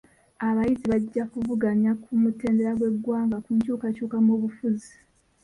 Abayizi bajja kuvuganya ku mutendera gw'eggwanga ku nkyukakyuka mu bufuzi.